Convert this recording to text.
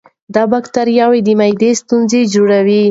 دا بکتریاوې د معدې ستونزې جوړوي.